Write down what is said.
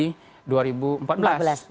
yang dia proles di dua ribu empat belas